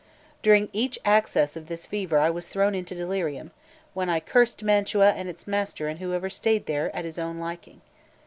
During each access of this fever I was thrown into delirium, when I cursed Mantua and its master and whoever stayed there at his own liking.